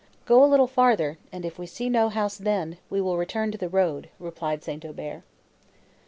"Go a little farther, and if we see no house then, we will return to the road," replied St. Aubert.